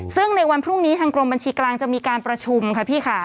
ซึ่งในวันพรุ่งนี้ทางกรมบัญชีกลางจะมีการประชุมค่ะพี่ค่ะ